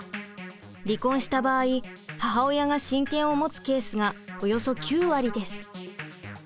離婚した場合母親が親権を持つケースがおよそ９割です。